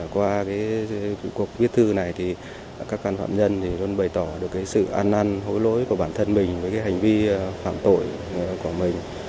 qua cuộc viết thư này thì các can phạm nhân luôn bày tỏ được sự an năn hối lỗi của bản thân mình với hành vi phạm tội của mình